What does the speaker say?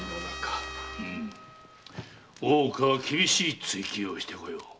大岡は厳しい追及をしてこよう。